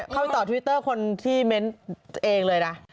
ไปต่อทวิตเตอร์คนที่เม้นต์เองเลยนะ